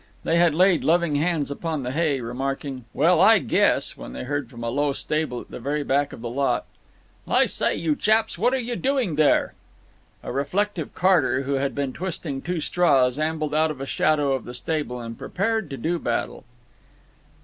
They had laid loving hands upon the hay, remarking, "Well, I guess!" when they heard from a low stable at the very back of the lot: "I say, you chaps, what are you doing there?" A reflective carter, who had been twisting two straws, ambled out of the shadow of the stable and prepared to do battle.